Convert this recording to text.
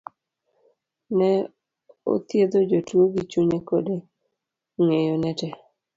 ne othiedho jotuo gi chunye kode ng'eyo ne tee.